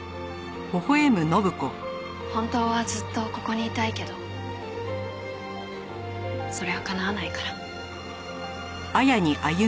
本当はずっとここにいたいけどそれは叶わないから。